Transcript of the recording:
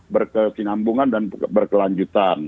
berkesinambungan dan berkelanjutan